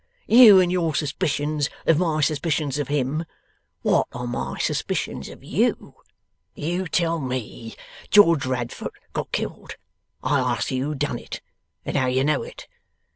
You and your suspicions of my suspicions of him! What are my suspicions of you? You tell me George Radfoot got killed. I ask you who done it and how you know it.